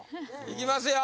いきますよ